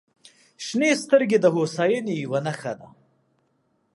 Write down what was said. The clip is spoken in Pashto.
• شنې سترګې د هوساینې یوه نښه ده.